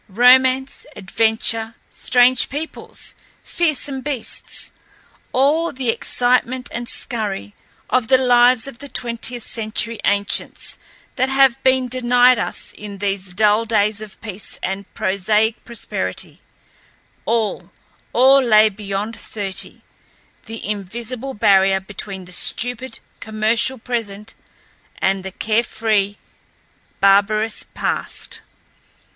Romance, adventure, strange peoples, fearsome beasts—all the excitement and scurry of the lives of the twentieth century ancients that have been denied us in these dull days of peace and prosaic prosperity—all, all lay beyond thirty, the invisible barrier between the stupid, commercial present and the carefree, barbarous past.